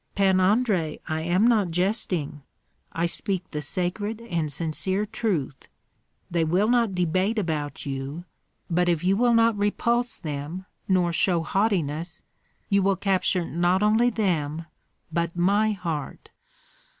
"Pan Andrei, I am not jesting; I speak the sacred and sincere truth. They will not debate about you; but if you will not repulse them nor show haughtiness, you will capture not only them, but my heart.